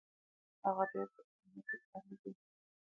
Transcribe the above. هغه ډېر په سینه کې تنګ دی.